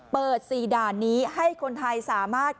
๔ด่านนี้ให้คนไทยสามารถ